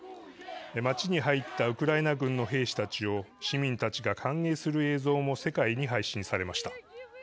町に入ったウクライナ軍の兵士たちを市民たちが歓迎する映像も世界に配信されました。